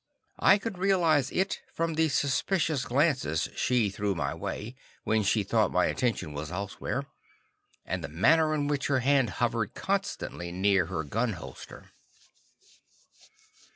I could realize it from the suspicious glances she threw my way, when she thought my attention was elsewhere, and the manner in which her hand hovered constantly near her gun holster.